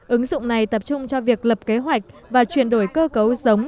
ứng dụng này tập trung cho việc lập kế hoạch và chuyển đổi cơ cấu giống